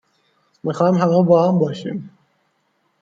میخوایم همه باهم باشیم